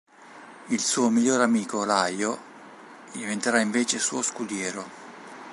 Il suo migliore amico Laio diventerà invece suo scudiero.